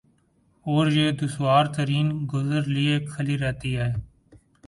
اور یہ دشوار ترین گزر لئے کھلی رہتی ہے ۔